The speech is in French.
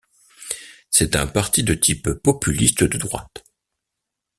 C'est un parti de type populiste de droite.